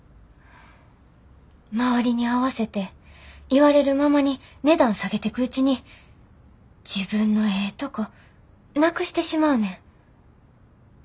周りに合わせて言われるままに値段下げてくうちに自分のええとこなくしてしまうねん。